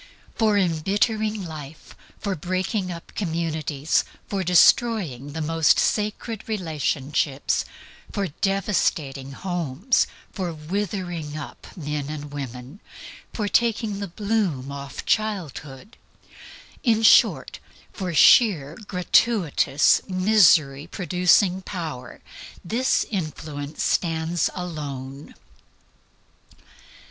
For embittering life, for breaking up communities, for destroying the most sacred relationships, for devastating homes, for withering up men and women, for taking the bloom of childhood, in short, FOR SHEER GRATUITOUS MISERY PRODUCING POWER this influence stands alone.